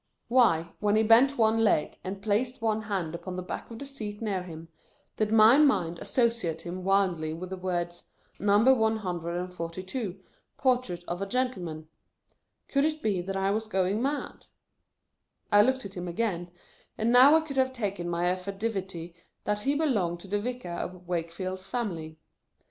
Why, when he bent one leg,°and placed one hand upon the back of the seat near him, did my mind associate him wildly with the words, " Number one hundred and forty two, Portrait of a gentleman ?" Could it be that I was going mad ? VOL. i. 17 386 HOUSEHOLD WORDS. [Conducted by I looked at him again, and now I could have taken my affidavit that he belonged to the Vicar of Wakefield's family.